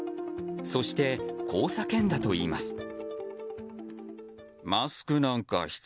そして、こう叫んだといいます。